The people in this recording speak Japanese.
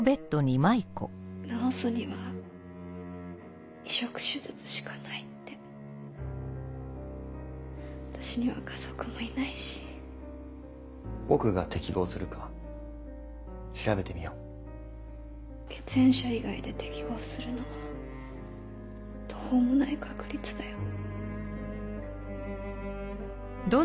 治すには移植手術しかないって私には家族もいないし僕が適合するか調べてみよう血縁者以外で適合するのは途方もない確率だよ